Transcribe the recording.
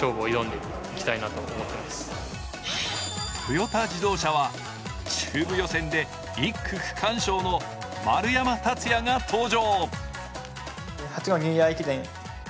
トヨタ自動車は中部予選で１区区間賞の丸山竜也が登場。